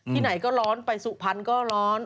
ที่ไหนก็ร้อนไปสุพรรณก็ร้อน